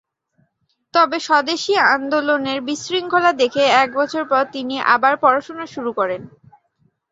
তবে স্বদেশী আন্দোলনে বিশৃঙ্খলা দেখে এক বছর পর তিনি আবার পড়াশোনা শুরু করেন।